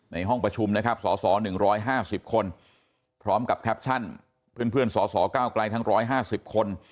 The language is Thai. ห้องประชุมนะครับสส๑๕๐คนพร้อมกับแคปชั่นเพื่อนสสเก้าไกลทั้ง๑๕๐คน